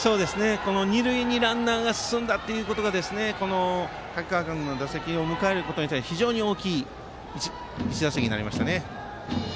二塁にランナーが進んだことが竹川君の打席を迎えるにあたって非常に大きい１打席になりました。